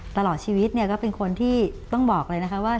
ตลอดชีวิตเนี่ยก็เป็นคนที่ต้องบอกเลยนะคะว่า